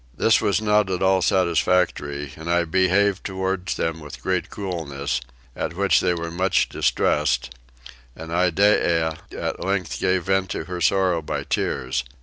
This was not at all satisfactory and I behaved towards them with great coolness, at which they were much distressed, and Iddeah at length gave vent to her sorrow by tears.